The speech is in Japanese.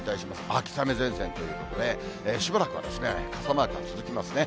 秋雨前線ということで、しばらくは傘マークが続きますね。